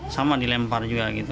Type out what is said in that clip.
sama dilempar juga gitu